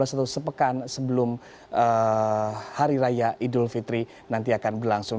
atau sepekan sebelum hari raya idul fitri nanti akan berlangsung